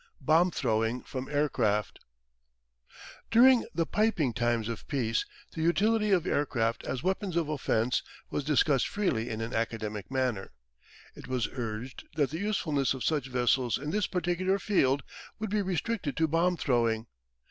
BOMB THROWING FROM AIR CRAFT During the piping times of peace the utility of aircraft as weapons of offence was discussed freely in an academic manner. It was urged that the usefulness of such vessels in this particular field would be restricted to bomb throwing.